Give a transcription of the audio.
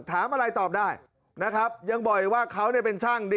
ถามอะไรตอบได้ยังบ่อยว่าเขานี้เป็นช่าง